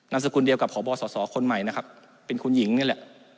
นามสกุลเดียวกับขอบสะสอคนใหม่เป็นคุณหญิงนี่แหละ